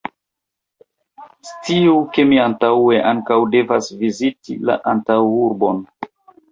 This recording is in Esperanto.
Sciu, ke mi antaŭe ankaŭ devas viziti la antaŭurbon.